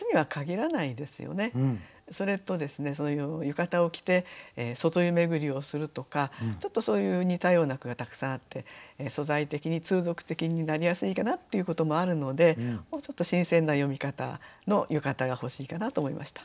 それとその浴衣を着て外湯巡りをするとかちょっとそういう似たような句がたくさんあって素材的に通俗的になりやすいかなということもあるのでもうちょっと新鮮な詠み方の浴衣が欲しいかなと思いました。